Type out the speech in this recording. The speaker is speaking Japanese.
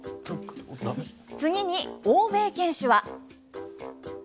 次に欧米犬種は。